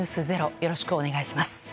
よろしくお願いします。